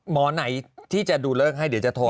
หมอไหนที่จะดูเลิกให้เดี๋ยวจะโทร